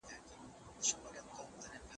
کابل د بهرنیو مرستو په وېش کي بې انصافي نه کوي.